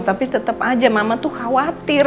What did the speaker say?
tapi tetap aja mama tuh khawatir